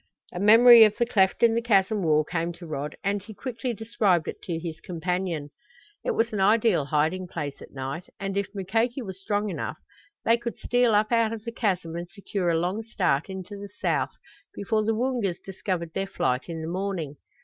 A memory of the cleft in the chasm wall came to Rod and he quickly described it to his companion. It was an ideal hiding place at night, and if Mukoki was strong enough they could steal up out of the chasm and secure a long start into the south before the Woongas discovered their flight in the morning.